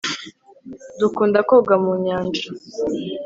dukunda koga mu nyanja